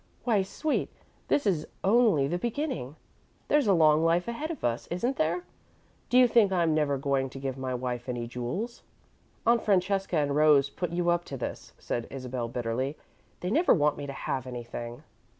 Why, sweet, this is only the beginning. There's a long life ahead of us, isn't there? Do you think I'm never going to give my wife any jewels?" "Aunt Francesca and Rose put you up to this," said Isabel, bitterly. "They never want me to have anything."